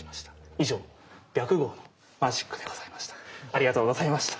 以上白毫のマジックでございました。